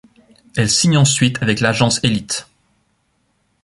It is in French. Elle signe ensuite avec l'agence Elite.